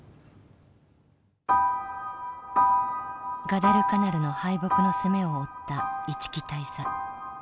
ガダルカナルの敗北の責めを負った一木大佐。